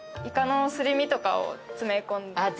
イカのすり身とかを詰め込んで。